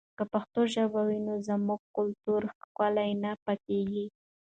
که پښتو ژبه وي نو زموږ کلتوري ښکلا نه پیکه کېږي.